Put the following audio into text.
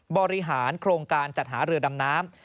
บริหารโครงการจัดหาเรือดำน้ำ